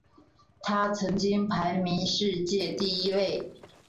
他曾经排名世界第一位。